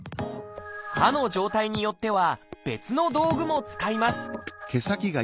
歯の状態によっては別の道具も使います